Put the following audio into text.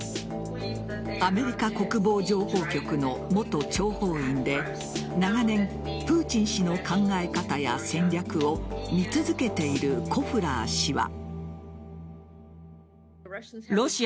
アメリカ国防情報局の元諜報員で長年プーチン氏の考え方や戦略を見続けているコフラー氏は。